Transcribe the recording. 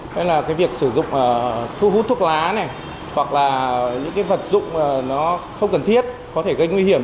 nên là cái việc sử dụng thu hút thuốc lá này hoặc là những cái vật dụng nó không cần thiết có thể gây nguy hiểm